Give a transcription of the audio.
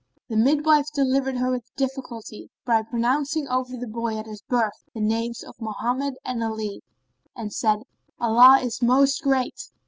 The midwife delivered her with difficulty, by pronouncing over the boy at his birth the names of Mohammed and Ali, and said, "Allah is Most Great!"